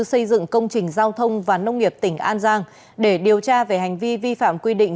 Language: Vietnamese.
xây dựng công trình giao thông và nông nghiệp tỉnh an giang để điều tra về hành vi vi phạm quy định